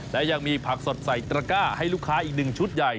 และยังมีผักสดใส่ตระก้าให้ลูกค้าอีกหนึ่งชุดใหญ่